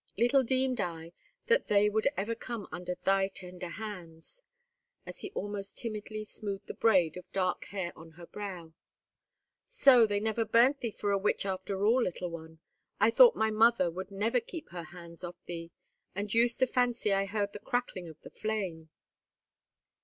"Little deemed I that they would ever come under thy tender hands." As he almost timidly smoothed the braid of dark hair on her brow—"So they never burnt thee for a witch after all, little one? I thought my mother would never keep her hands off thee, and used to fancy I heard the crackling of the flame."